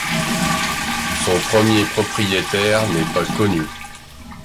Son premier propriétaire n'est pas connu.